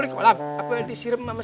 tunggu mana siapa